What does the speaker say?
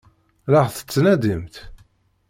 La ɣ-tettnadimt?